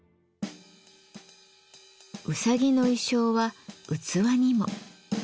うさぎの意匠は器にも。